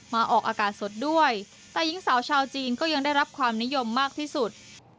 ออกอากาศสดด้วยแต่หญิงสาวชาวจีนก็ยังได้รับความนิยมมากที่สุด